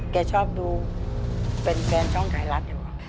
แกชอบดูเป็นแฟนช่องไทรัตท์หรือเปล่า